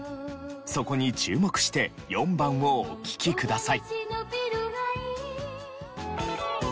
そこに注目して４番をお聴きください。